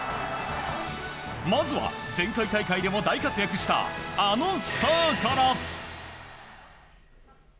まずは、前回大会でも大活躍したあのスターから！